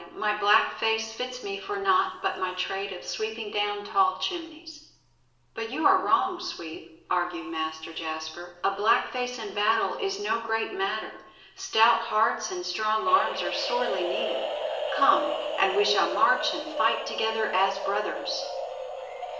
"My black face fits me for naught but my trade of sweeping down tall chimneys." "But you are wrong, Sweep," argued Master Jasper; "a black face in battle is no great matter. Stout hearts and strong arms are sorely needed. Come, and we shall march and fight together as brothers."